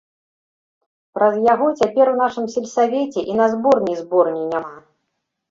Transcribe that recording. Праз яго цяпер у нашым сельсавеце і на зборні зборні няма.